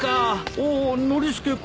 おおノリスケ君。